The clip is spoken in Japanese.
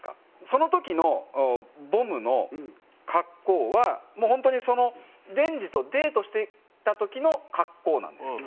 その時のボムの格好はもう本当にデンジとデートしてた時の格好なんですよ。